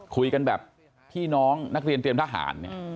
คุยกันแบบพี่น้องนักเรียนเตรียมทหารเนี่ย